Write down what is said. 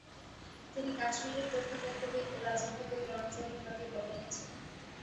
তিনি কাশ্মীরি প্রত্নতত্ত্ববিদ ও রাজনীতিবিদ রাম চন্দ্র কাকের বড় ভাই ছিলেন।